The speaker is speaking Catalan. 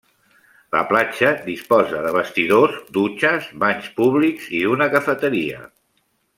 La platja disposa de vestidors, dutxes i banys públics i d'una cafeteria.